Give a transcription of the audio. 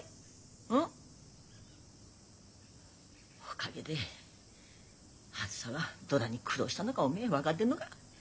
おかげであづさはどだに苦労しだのがおめえ分がっでんのが？